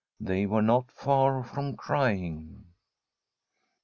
They were not far from crying.